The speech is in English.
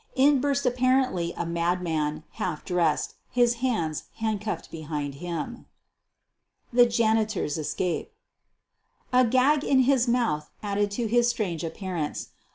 In burst apparently a madman, half dressed, his hands handcuffed be hind him. THE JANITOR'S ESCAPE A gag in his mouth added to his strange appear ance.